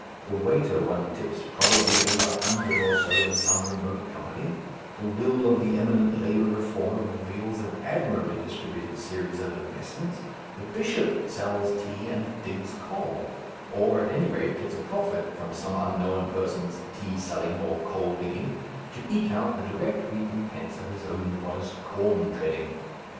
The waiter one tips probably has a hundred or so in some remote company, the will of the eminent labour reformer reveals an admirably distributed series of investments, the bishop sells tea and digs coal, or at any rate gets a profit from some unknown persons tea selling or coal digging, to eke out the direct recompense of his own modest corn treading.